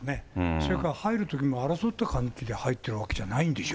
それから入るときも、争った感じで入ってるわけじゃないんでしょ。